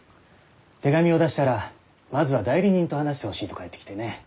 手紙を出したらまずは代理人と話してほしいと返ってきてね。